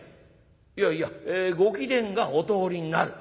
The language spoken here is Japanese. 「いやいやご貴殿がお通りになる」。